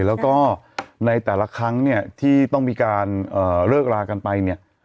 แล้วก็ในแต่ละครั้งเนี่ยที่ต้องมีการเลิกลากันไปเนี่ย